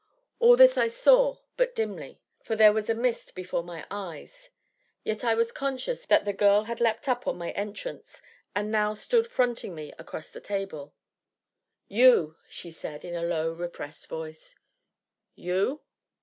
All this I saw but dimly, for there was a mist before my eyes; yet I was conscious that the girl had leapt up on my entrance, and now stood fronting me across the table. "You!" said she, in a low, repressed voice "you?"